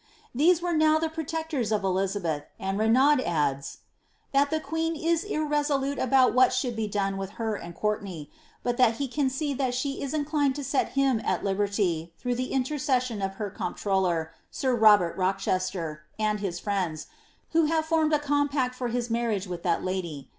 These were now the protectors of Elizabeth, and Renaud adds,* ^ that the queen is irresolute about what should be done with her and Courtenay ; but that he can see that she is inclined to set him at liberty, through the inter cession of her comptroller, sir Robert Rochester, and bis friends^ who have formed a compact for his marriage with that lady.